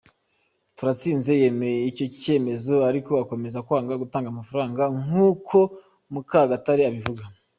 Turatsinze yemeye icyo cyemezo ariko akomeza kwanga gutanga amafaranga nk’uko Mukagatare abivuga.